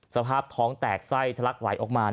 สภาพท้องแตกไส้ทะลักไหลออกมา